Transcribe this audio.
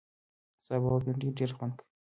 سابه او بېنډۍ ډېر خوند کوي